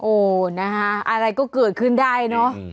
โอ้นะคะอะไรก็เกิดขึ้นได้เนอะ